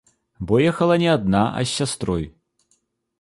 Бо ехала не адна, а з сястрой.